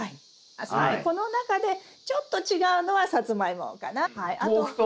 この中でちょっと違うのはさつまいもかな。